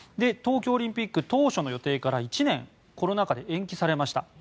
東京オリンピック当初の予定から１年延期されました。